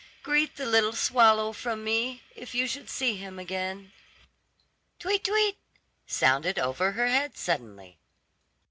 "Greet the little swallow from me, if you should see him again." "Tweet, tweet," sounded over her head suddenly.